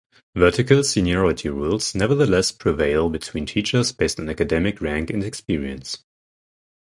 Vertical seniority rules nevertheless prevail between teachers based on academic rank and experience.